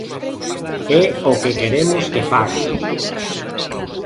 ¡É o que queremos que faga!